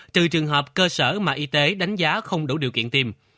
trừ trường hợp cơ sở mà y tế đánh giá không đủ điều kiện tiêm